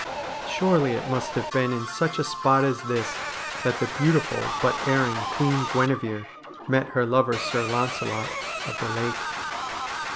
Surely it must have been in such a spot as this that the beautiful but erring Queen Guinever met her lover, Sir Launcelot of the Lake.